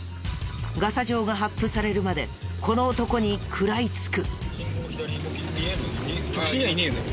ガサ状が発布されるまでこの男に食らいつく。